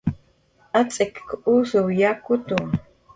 Atz'ik usuw yakutu